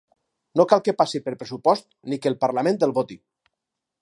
No cal que passi per pressupost ni que el parlament el voti.